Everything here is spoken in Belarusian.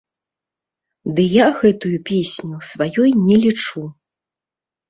Ды я гэтую песню сваёй не лічу.